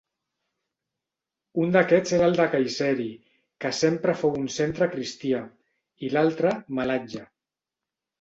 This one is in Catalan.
Un d'aquests era el de Kayseri, que sempre fou un centre cristià, i l'altre, Malatya.